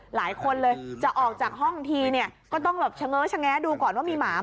หลายคนเลยจะออกจากห้องที่เนี่ยก็ต้องก้อนมีหมาไหม